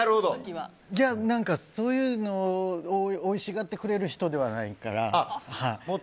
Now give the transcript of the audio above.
いや、そういうのをおいしがってくれる人ではないから。